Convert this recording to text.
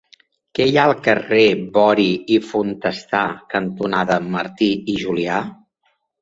Què hi ha al carrer Bori i Fontestà cantonada Martí i Julià?